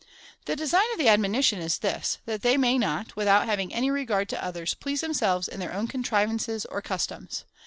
The design of the admonition is this — that they may not, without having any regard to others, please themselves in their own contrivances or cus toms.